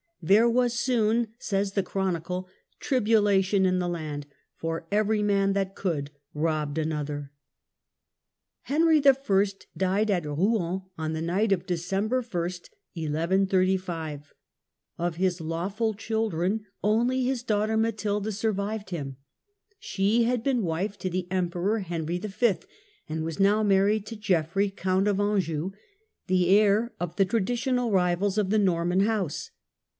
"There was soon", says the Chronicle, "tribulation in the land, for every man that could soon robbed another." Henry I. died at Rouen on the night of December i, 1 135. Of his lawful children only his daughter Matilda The Empress Survived him. She had been wife to the Matilda. Emperor Henry V., and was now married to Geoffrey, Count of Anjou, the heir of the traditional rivals of the Norman house.